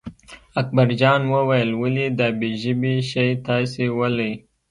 اکبرجان وویل ولې دا بې ژبې شی تاسې ولئ.